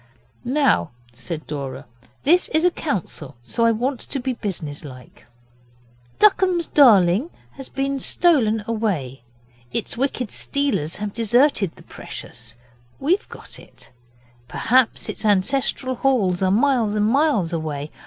'Now,' said Dora, 'this is a council, so I want to be business like. The Duckums Darling has been stolen away; its wicked stealers have deserted the Precious. We've got it. Perhaps its ancestral halls are miles and miles away.